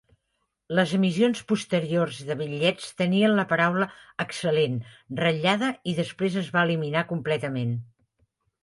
Les emissions posteriors de bitllets tenien la paraula "excel·lent" ratllada y després es va eliminar completament.